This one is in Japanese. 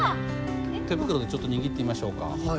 手袋でちょっと握ってみましょうか。